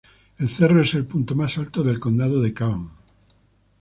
El cerro es el punto más alto del Condado de Cavan.